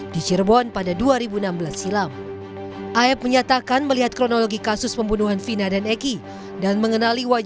wakil ketua lpsk susi laning tias mengatakan pertemuan aep dengan lpsk sejauh ini masih dalam tahap diskusi